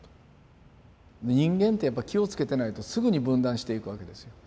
人間ってやっぱ気をつけてないとすぐに分断していくわけですよ。